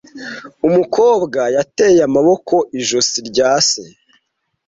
Umukobwa yateye amaboko ijosi rya se.